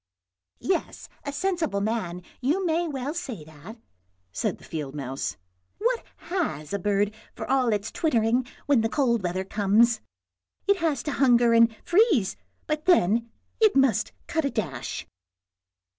" Yes, as a sensible man, you may well say that," said the field mouse. " What has a bird for all its twittering when the cold weather comes? it has to hunger and freeze, but then it must cut a dash."